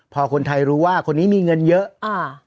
พอคนไทยรู้ว่าคนนี้มีเงินเยอะอ่า